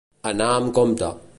Anar amb compte.